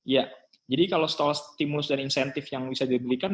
ya jadi kalau setelah stimulus dan insentif yang bisa dibelikan